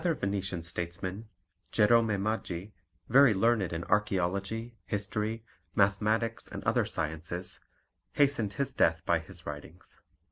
Another Venetian statesman, Jerome Maggi, very learned in archaeology, history, mathematics, and other sciences, hastened his death by his writings.